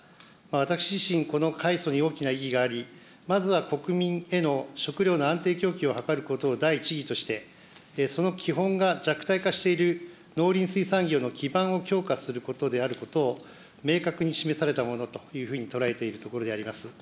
私自身、この改組に大きな意義があり、まずは国民への食料の安定供給を図ることを第一義として、その基本が弱体化している農林水産業の基盤を強化することであることを明確に示されたものというふうに捉えているところであります。